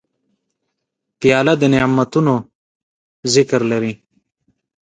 پیاله د نعتونو ذکر لري.